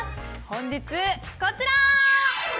本日、こちら！